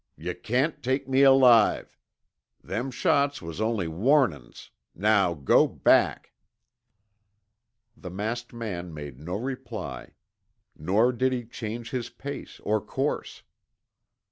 Yuh can't take me alive. Them shots was only warnin's. Now go back." The masked man made no reply. Nor did he change his pace or course.